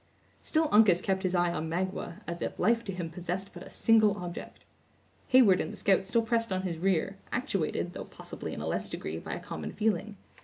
Still Uncas kept his eye on Magua, as if life to him possessed but a single object. Heyward and the scout still pressed on his rear, actuated, though possibly in a less degree, by a common feeling.